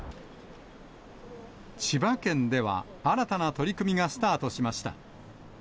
千葉県では新たな取り組みがスタートしました。